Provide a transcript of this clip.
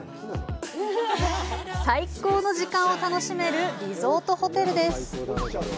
最高の時間を楽しめるリゾートホテルです。